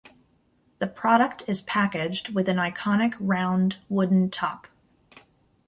The product is packaged with an iconic round wooden top.